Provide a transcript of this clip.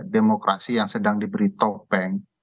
demokrasi yang sedang diberi topeng